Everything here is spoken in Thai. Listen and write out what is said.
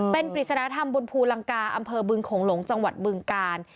เป็นปริศนธรรมบนภูลังกาอำเภอบึงโขงหลงจังหวัดบึงกาล